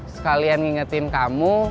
sekalian ngingetin kamu